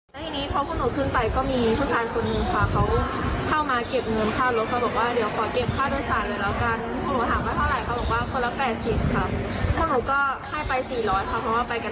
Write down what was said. และทีนี้พอคุณหนูขึ้นไปก็มีผู้ชายคนนึงฝากเขา